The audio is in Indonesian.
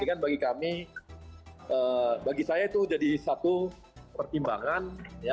jadi kan bagi kami bagi saya itu jadi satu pertimbangan